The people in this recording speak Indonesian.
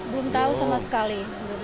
belum tahu sama sekali